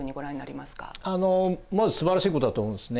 まずすばらしいことだと思うんですね。